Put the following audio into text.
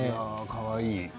かわいい。